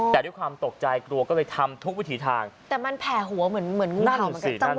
แต่ด้วยความตกใจกลัวก็เลยทำทุกวิถีทางแต่มันแผ่หัวเหมือนเหมือนเงาเหมือนกันจังห